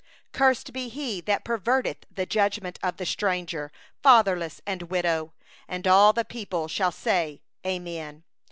19Cursed be he that perverteth the justice due to the stranger, fatherless, and widow. And all the people shall say: Amen.